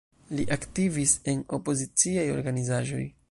Li aktivis en opoziciaj organizaĵoj.